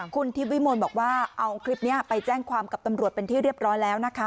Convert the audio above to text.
คุณทิพย์วิมลบอกว่าเอาคลิปนี้ไปแจ้งความกับตำรวจเป็นที่เรียบร้อยแล้วนะคะ